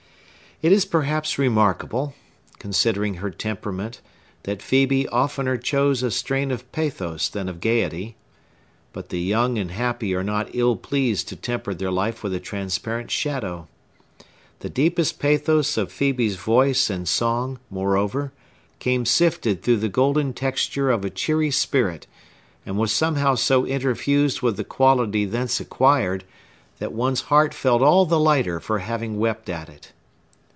It is perhaps remarkable, considering her temperament, that Phœbe oftener chose a strain of pathos than of gayety. But the young and happy are not ill pleased to temper their life with a transparent shadow. The deepest pathos of Phœbe's voice and song, moreover, came sifted through the golden texture of a cheery spirit, and was somehow so interfused with the quality thence acquired, that one's heart felt all the lighter for having wept at it.